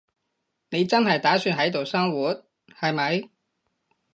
你真係打算喺度生活，係咪？